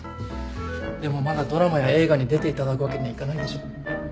でもまだドラマや映画に出ていただくわけにはいかないでしょ？